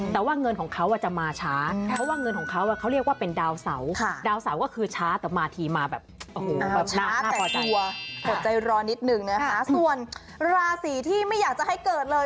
แต่กลัวขอใจรอนิดนึงส่วนราศีที่ไม่อยากจะให้เกิดเลย